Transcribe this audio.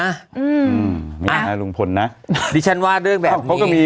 อืมมีอาหารลุงผลนะดิฉันว่าเรื่องแบบนี้